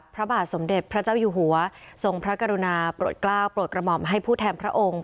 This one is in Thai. พระบาทสมเด็จพระเจ้าอยู่หัวทรงพระกรุณาโปรดกล้าวโปรดกระหม่อมให้ผู้แทนพระองค์